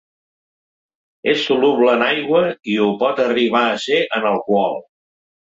És soluble en aigua i ho pot arribar a ser en alcohol.